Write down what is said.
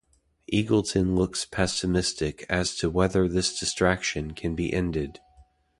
Eagleton looks pessimistic as to whether this distraction can be ended.